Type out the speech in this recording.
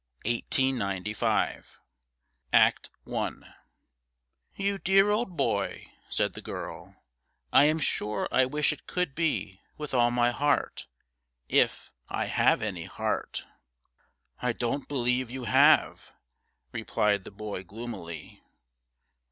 1895) Act I 'You dear old boy,' said the girl, 'I am sure I wish it could be, with all my heart, if I have any heart.' 'I don't believe you have,' replied the boy gloomily.